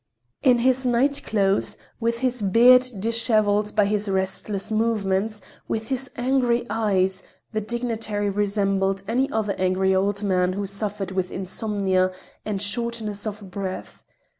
In his night clothes, with his beard disheveled by his restless movements, with his angry eyes, the dignitary resembled any other angry old man who suffered with insomnia and shortness of breath.